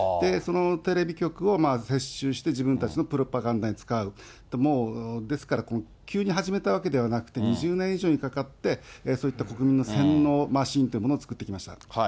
そのテレビ局を接収して自分たちのプロパガンダに使う、もう、ですから急に始めたわけではなくて２０年以上かかって、そういった国民の洗脳マシーンというものを作ってきました。